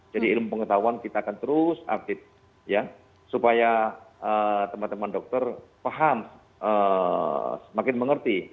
jadi ilmu pengetahuan kita akan terus update supaya teman teman dokter paham semakin mengerti